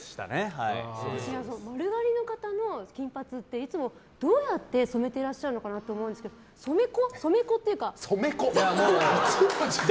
丸刈りの方の金髪っていつも、どうやって染めていらっしゃるのかなと思うんですけど染め粉というか。